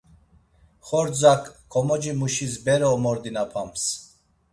Xordzak komocimuşis bere omordinapams.